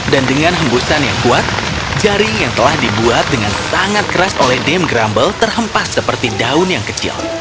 dan dengan hembusan yang kuat jaring yang telah dibuat dengan sangat keras oleh dam grumble terhempas seperti daun yang kecil